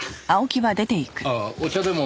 ああお茶でも。